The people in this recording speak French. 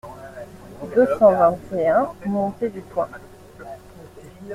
deux cent vingt et un montée du Coin